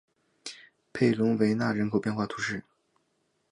佩龙维勒人口变化图示